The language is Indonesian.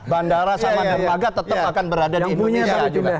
bandara sama dermaga tetap akan berada di indonesia juga